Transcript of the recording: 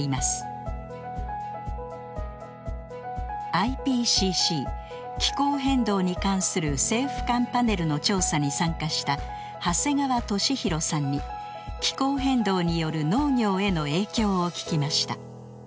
「ＩＰＣＣ気候変動に関する政府間パネル」の調査に参加した長谷川利拡さんに気候変動による農業への影響を聞きました。